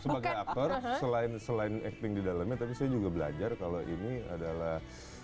sebagai aktor selain acting di dalamnya tapi saya juga belajar kalau ini adalah